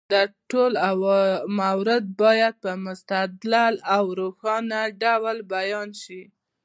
دا ټول موارد باید په مستدل او روښانه ډول بیان شي.